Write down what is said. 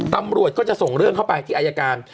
ตำรวจก็จะส่งเรื่องเข้าไปที่อายการ